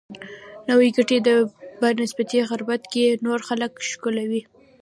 نوي ګټې په نسبي غربت کې نور خلک ښکېلوي.